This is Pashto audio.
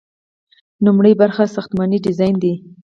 لومړی برخه ساختماني ډیزاین دی.